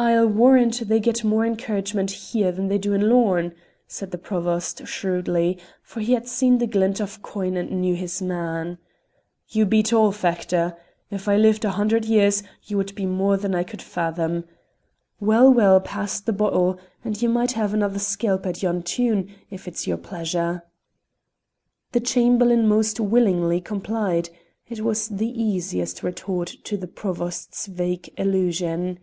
"I'll warrant they get more encouragement here than they do in Lorn," said the Provost, shrewdly, for he had seen the glint of coin and knew his man. "You beat all, Factor! If I lived a hundred years, you would be more than I could fathom. Well, well, pass the bottle, and ye might have another skelp at yon tune if it's your pleasure." The Chamberlain most willingly complied: it was the easiest retort to the Provost's vague allusion.